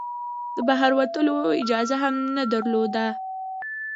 د بهر وتلو اجازه هم نه درلوده.